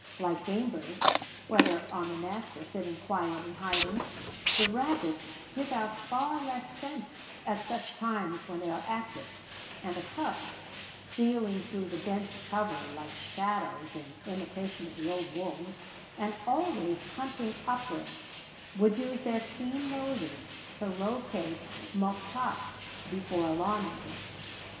Like game birds, whether on the nest or sitting quiet in hiding, the rabbits give out far less scent at such times than when they are active; and the cubs, stealing through the dense cover like shadows in imitation of the old wolves, and always hunting upwind, would use their keen noses to locate Moktaques before alarming him.